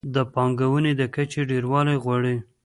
د پانګونې د کچې ډېروالی غواړي.